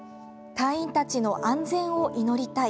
隊員たちの安全を祈りたい。